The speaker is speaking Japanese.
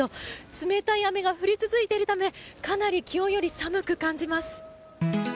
冷たい雨が降り続いているためかなり気温より寒く感じます。